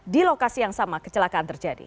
di lokasi yang sama kecelakaan terjadi